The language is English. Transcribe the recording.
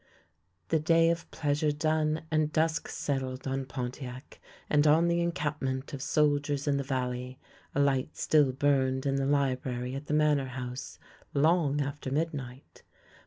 The day of pleasure done and dusk settled on Pon tiac and on the encampment of soldiers in the valley, a light still burned in the library at the Manor House long after midnight.